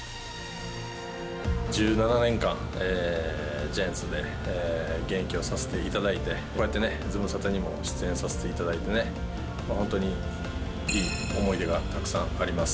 １７年間、ジャイアンツで現役をさせていただいて、こうやってね、ズムサタにも出演させていただいてね、本当にいい思い出がたくさんあります。